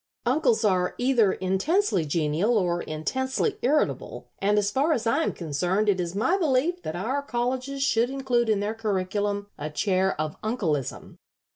Uncles are either intensely genial or intensely irritable, and as far as I am concerned it is my belief that our colleges should include in their curriculum a chair of 'Uncleism.'